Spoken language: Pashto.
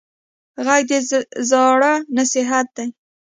غږ د زاړه نصیحت دی